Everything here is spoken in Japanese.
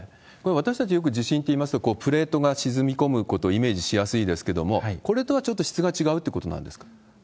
私たち、よく地震っていいますと、プレートが沈み込むことをイメージしやすいですけれども、これとはちょっと質が違うってことなんですか？